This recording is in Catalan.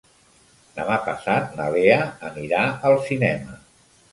Demà passat na Lea anirà al cinema.